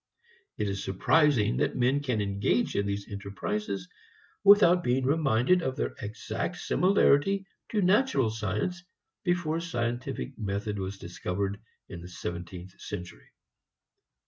It is surprising that men can engage in these enterprises without being reminded of their exact similarity to natural science before scientific method was discovered in the seventeenth century.